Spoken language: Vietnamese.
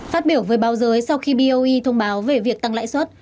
phát biểu với báo giới sau khi boe thông báo về việc tăng lãi suất